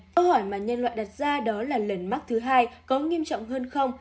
câu hỏi mà nhân loại đặt ra đó là lần mắc thứ hai có nghiêm trọng hơn không